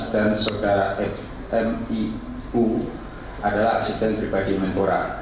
dan saudara m i u adalah asisten pribadi menkora